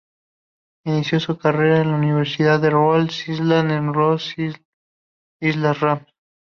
Inició su carrera en la Universidad de Rhode Island en los Rhode Island Rams.